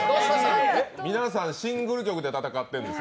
皆さん、シングル曲で戦ってるんです。